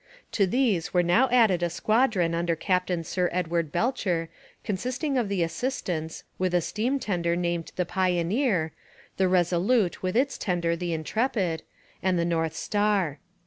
To these were now added a squadron under Captain Sir Edward Belcher consisting of the Assistance with a steam tender named the Pioneer, the Resolute with its tender the Intrepid, and the North Star.